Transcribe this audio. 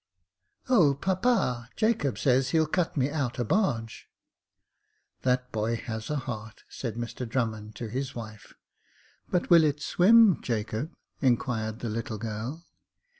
•' Oh, papa j Jacob says he'll cut me out a barge." " That boy has a heart," said Mr Drummond to his wife. But will it swim, Jacob ?" inquired the little girl.